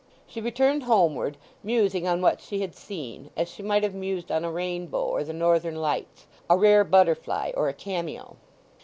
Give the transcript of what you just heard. She returned homeward, musing on what she had seen, as she might have mused on a rainbow or the Northern Lights, a rare butterfly or a cameo.